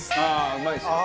うまいですよね。